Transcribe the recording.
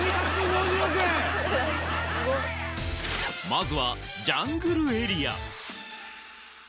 まずはジャングルエリア